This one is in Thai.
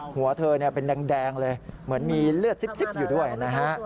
หัวเธอเป็นแดงเลยเหมือนมีเลือดซิบอยู่ด้วยนะฮะ